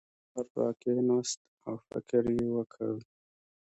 سهار راکېناست او فکر یې وکړ.